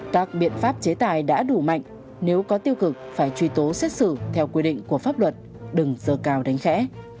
các biện pháp chế tài đã đủ mạnh nếu có tiêu cực phải truy tố xét xử theo quy định của pháp luật đừng giờ cao đánh khẽ